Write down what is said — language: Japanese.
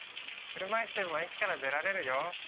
車いすでも駅から出られるよ。